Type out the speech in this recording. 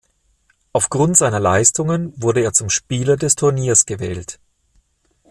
Aufgrund seiner Leistungen wurde er zum Spieler des Turniers gewählt.